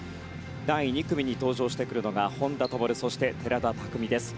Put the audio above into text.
第２組に登場してくるのが本多灯、そして寺田拓未です。